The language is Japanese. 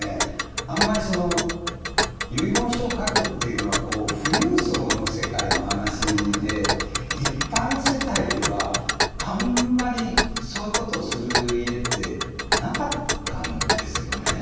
あんまり遺言書を書くっていうのは富裕層の世界の話で一般世帯ではあんまりそういうことをする家ってなかったんですよね。